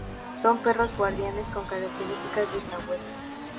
Son perros guardianes con características de sabuesos.